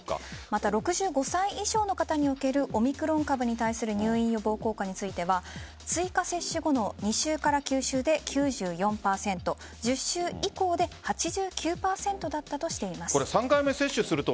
また、６５歳以上の方におけるオミクロン株に対する入院予防効果については追加接種後の２週から９週で９４％１０週以降で８９％だったとしています。